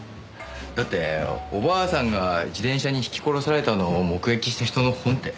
だってお婆さんが自転車にひき殺されたのを目撃した人の本って。